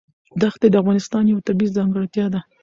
دښتې د افغانستان یوه طبیعي ځانګړتیا ده.